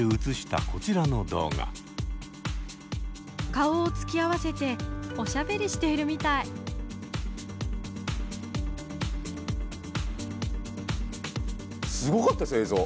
顔を突き合わせておしゃべりしているみたいすごかったですよ映像。